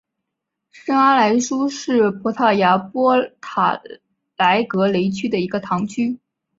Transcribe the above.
圣阿莱舒是葡萄牙波塔莱格雷区的一个堂区。